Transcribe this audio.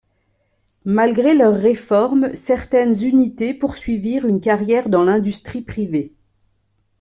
Malgré leur réforme certaines unités poursuivirent une carrière dans l'industrie privée.